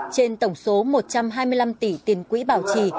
trên tổng số một trăm hai mươi năm tỷ tiền quỹ bảo trì